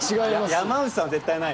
山内さんは絶対ない。